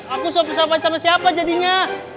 aku soal persoalan sama siapa jadinya